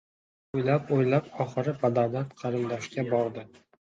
Oʻylab-oʻylab oxiri badavlat qarindoshga bordi.